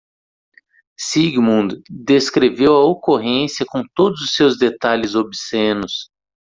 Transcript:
Sigmund descreveu a ocorrência com todos os seus detalhes obscenos.